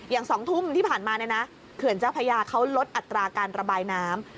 ๒ทุ่มที่ผ่านมาเนี่ยนะเขื่อนเจ้าพญาเขาลดอัตราการระบายน้ำ